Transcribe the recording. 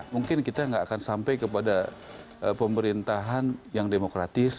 mungkin kita nggak akan sampai kepada pemerintahan yang demokratis